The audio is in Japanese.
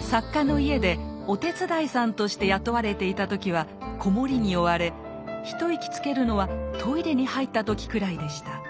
作家の家でお手伝いさんとして雇われていた時は子守に追われ一息つけるのはトイレに入った時くらいでした。